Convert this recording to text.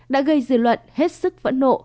đã gây dư luận hết sức vẫn nộ